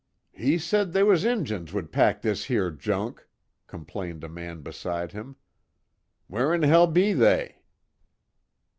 "He said they was Injuns would pack this here junk," complained a man beside him, "Where'n hell be they?"